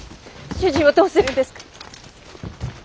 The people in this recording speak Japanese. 主人をどうするんですか？